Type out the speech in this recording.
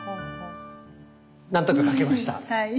何とか描けました。